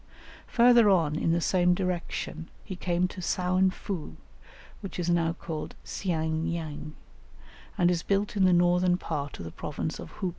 Further on in the same direction he came to Saianfu, which is now called Siang yang, and is built in the northern part of the province of Hou pe.